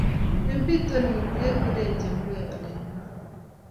Eng bitonin kekure chemwee olingwai